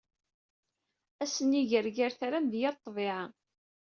Asniger gar tram d yir ḍḍbiɛa.